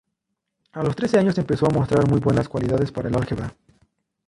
A los trece años empezó a mostrar muy buenas cualidades para el álgebra.